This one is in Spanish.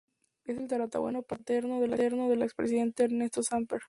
Es el tatarabuelo paterno del expresidente Ernesto Samper.